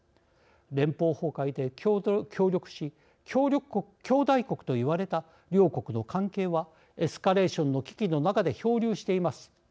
連邦崩壊で協力し兄弟国といわれた両国の関係はエスカレーションの危機の中で漂流しています。